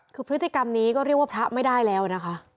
คือพฤติกรรมนี้ก็เรียกว่าพระไม่ได้แล้วนะคะ